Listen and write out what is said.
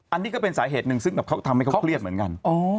อันนี้ก็เป็นสาเหตุหนึ่งซึ่งแบบเขาทำให้เขาเครียดเหมือนกัน